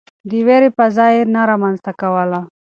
د وېرې فضا يې نه رامنځته کوله.